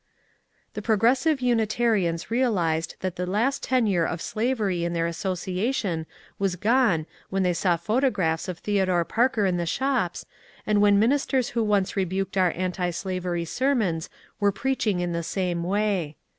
The progressive Unitarians realized that the last tenure of slavery in their associaticm was gone when they saw photo graphs of Theodore Parker in the shops, and when ministers who once rebuked our antislavery sermons were preaching in the same way.